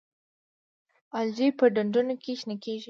الجی په ډنډونو کې شنه کیږي